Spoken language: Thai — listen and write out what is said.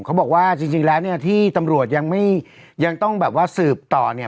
เขาบอกว่าจริงแล้วเนี่ยที่ตำรวจยังไม่ยังต้องแบบว่าสืบต่อเนี่ย